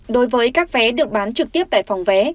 đối với các vé được bán trực tiếp tại phòng vé